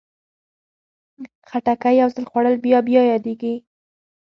خټکی یو ځل خوړل بیا بیا یادېږي.